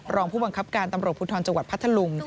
รองผู้บังคับการตำรวจภูทรจังหวัดพัทธลุง